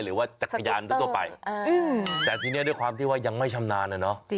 หรือว่าจักรยานทั่วไปแต่ทีนี้ด้วยความที่ว่ายังไม่ชำนาญนะเนาะ